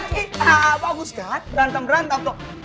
kita bagus kan berantem berantem tuh